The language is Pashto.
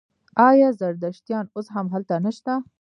آیا زردشتیان اوس هم هلته نشته؟